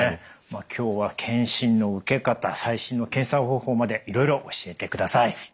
今日は検診の受け方最新の検査方法までいろいろ教えてください。